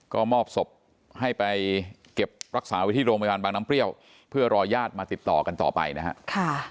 ก็มอบศพให้ไปเก็บรักษาไว้ที่โรงพยาบาลบางน้ำเปรี้ยวเพื่อรอญาติมาติดต่อกันต่อไปนะฮะ